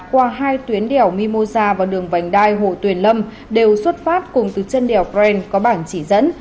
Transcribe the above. qua hai tuyến đèo mimosa và đường vành đai hồ tuyền lâm đều xuất phát cùng từ chân đèo bren có bản chỉ dẫn